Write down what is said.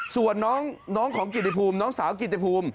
ส่วนน้องของกิติภูมิน้องสาวกิติภูมิ